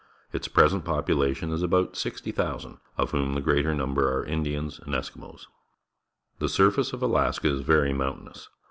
Its present pop ulation is about 60,000, of whom the greater number are Indians and Eskimos. The surface of Alaska is very mountainous.